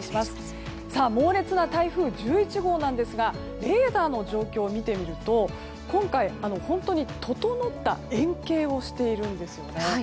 猛烈な台風１１号ですがレーダーの状況を見てみると今回、本当に整った円形をしているんですね。